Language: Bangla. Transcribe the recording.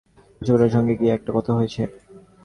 একটা কথা জিজ্ঞাসা করি, পরেশবাবুর সঙ্গে কি এ কথা কিছু হয়েছে?